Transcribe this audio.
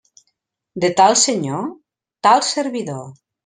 De tal senyor tal servidor.